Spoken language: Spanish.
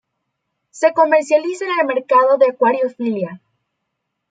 Se comercializa en el mercado de acuariofilia.